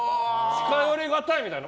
近寄りがたいみたいな。